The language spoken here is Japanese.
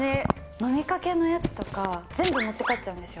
飲みかけのやつとか、全部持って帰っちゃうんですよ。